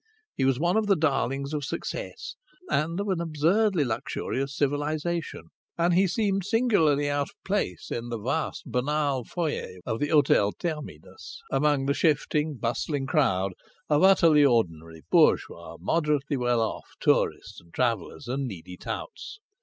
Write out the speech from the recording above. He was one of the darlings of success and of an absurdly luxurious civilization. And he seemed singularly out of place in the vast, banal foyer of the Hôtel Terminus, among the shifting, bustling crowd of utterly ordinary, bourgeois, moderately well off tourists and travellers and needy touts.